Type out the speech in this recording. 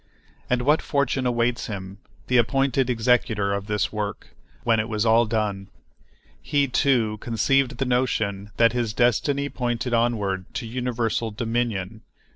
And what fortune awaits him, the appointed executor of this work, when it was all done? He, too, conceived the notion that his destiny pointed onward to universal dominion.